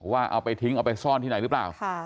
ใครซ่อนที่ไหนหรือเปล่า